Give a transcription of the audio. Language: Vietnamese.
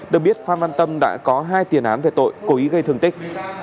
được biết phan văn tâm đã có hai tiền án về tội cố ý gây thương tích